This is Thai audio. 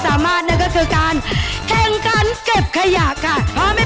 จะมาที่คนของผู้ชมเป็นฝูมือ